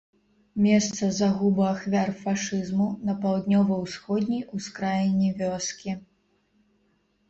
Месца загубы ахвяр фашызму на паўднёва-ўсходняй ускраіне вёскі.